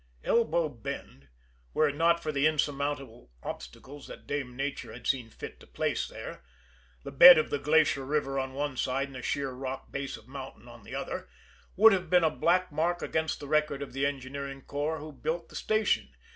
Elbow Bend, were it not for the insurmountable obstacles that Dame Nature had seen fit to place there the bed of the Glacier River on one side and a sheer rock base of mountain on the other would have been a black mark against the record of the engineering corps who built the station.